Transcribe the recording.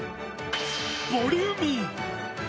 ボリューミー！